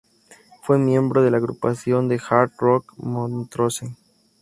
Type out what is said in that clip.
Fue miembro de la agrupación de "hard rock" Montrose.